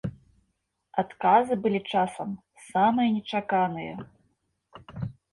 Адказы былі часам самыя нечаканыя.